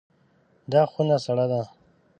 دا خونه سړه ده.